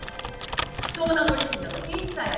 不当な取り引きなど一切ありません。